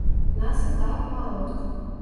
Нас і так мала.